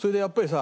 さ